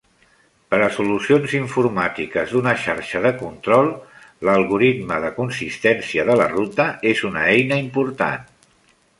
Per a solucions informàtiques d'una xarxa de control, l'algoritme de consistència de la ruta és una eina important.